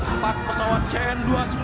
empat pesawat cn dua ratus sembilan puluh